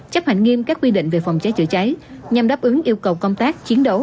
chấp hành nghiêm các quy định về phòng cháy chữa cháy nhằm đáp ứng yêu cầu công tác chiến đấu